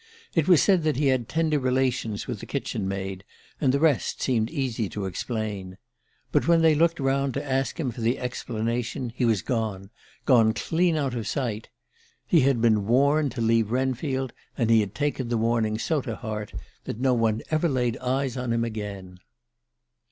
It was said that he had tender relations with the kitchen maid, and the rest seemed easy to explain. But when they looked round to ask him for the explanation he was gone gone clean out of sight. He had been 'warned' to leave Wrenfield, and he had taken the warning so to heart that no one ever laid eyes on him again."